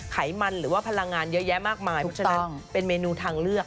ไขมันหรือว่าพลังงานเยอะแยะมากมายเพราะฉะนั้นเป็นเมนูทางเลือก